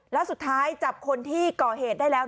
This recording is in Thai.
แล้วสุดท้ายจับคนที่ก่อเหตุได้แล้ว